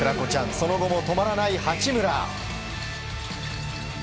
その後も止まらない八村。